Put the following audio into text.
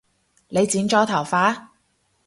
你剪咗頭髮？